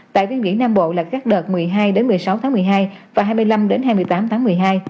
tại phiên nghỉ nam bộ là các đợt một mươi hai một mươi sáu tháng một mươi hai và hai mươi năm hai mươi tám tháng một mươi hai